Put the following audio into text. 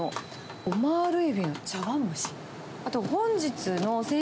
オマール海老の茶わん蒸し。